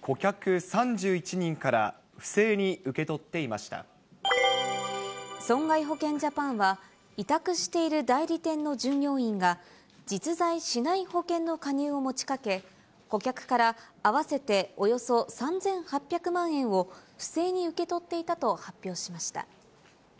顧客３１人から不正に受け取損害保険ジャパンは、委託している代理店の従業員が、実在しない保険の加入を持ちかけ、顧客から合わせておよそ３８００万円を不正に受け取っていたと発表しました。